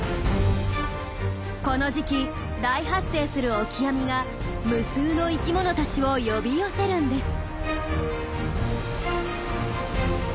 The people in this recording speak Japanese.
この時期大発生するオキアミが無数の生きものたちを呼び寄せるんです。